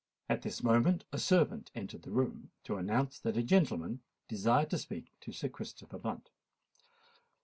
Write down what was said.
At this moment a servant entered the room, to announce that a gentleman desired to speak to Sir Christopher Blunt.